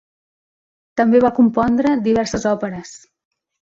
També va compondre diverses òperes.